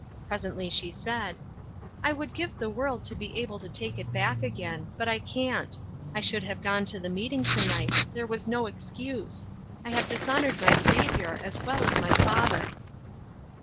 Presently she said :" I would give the world to be able to take it back again i but I can't. I should have gone to the meeting to night — there was no excuse. I have dishonored my Saviour as well as my father."